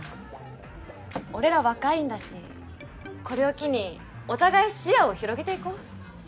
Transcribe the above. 「俺ら若いんだしこれを機にお互い視野を広げていこう」